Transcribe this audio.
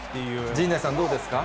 陣内さん、どうですか。